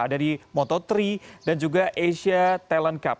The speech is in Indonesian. ada di moto tiga dan juga asia talent cup